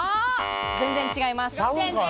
全然違います。